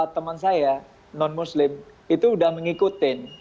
teman saya non muslim itu sudah mengikuti